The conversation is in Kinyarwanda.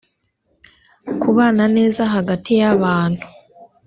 kubana neza hagati y’abantu